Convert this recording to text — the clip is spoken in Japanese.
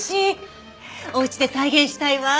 おうちで再現したいわ。